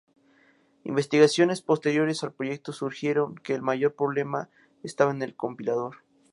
Investigaciones posteriores al proyecto sugirieron que el mayor problema estaba en el compilador.